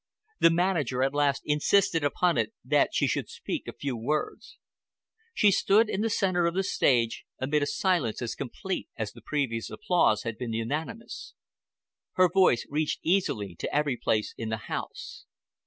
The manager at last insisted upon it that she should speak a few words. She stood in the centre of the stage amid a silence as complete as the previous applause had been unanimous. Her voice reached easily to every place in the House.